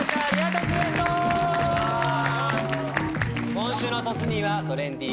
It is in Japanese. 今週の突兄ぃはトレンディ